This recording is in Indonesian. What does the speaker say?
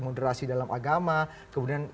moderasi dalam agama kemudian